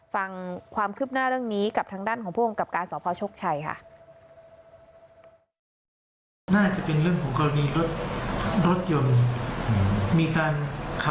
ฟังความคืบหน้าเรื่องนี้กับทางด้านของผู้กำกับการสพชกชัยค่ะ